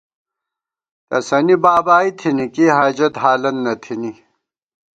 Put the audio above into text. تسَنی بابائی تھنی ،کی حاجت حالن نہ تھنی